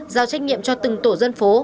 giao trách nhiệm cho từng tổ dân phố